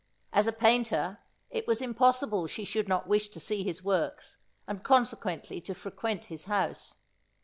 As a painter, it was impossible she should not wish to see his works, and consequently to frequent his house.